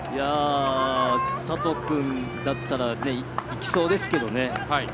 佐藤君だったらいきそうですけどね。